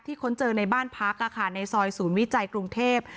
ที่ค้นเจอในบ้านพาคาคาในซอยศูนย์วิจัยกรุงเทพฯ